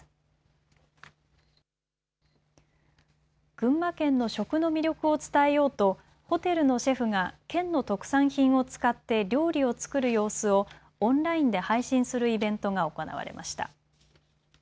群馬県の食の魅力を伝えようとホテルのシェフが県の特産品を使って料理を作る様子をオンラインで配信するイベントが行われました。